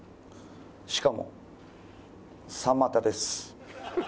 しかも３股です。